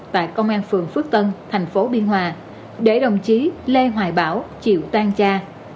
tại công an phường phước tân tp biên hòa để đồng chí lê hoài bảo chịu tan cha